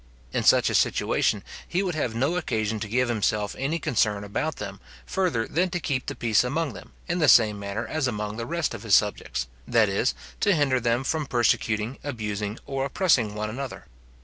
In such a situation, he would have no occasion to give himself any concern about them, further than to keep the peace among them, in the same manner as among the rest of his subjects, that is, to hinder them from persecuting, abusing, or oppressing one another.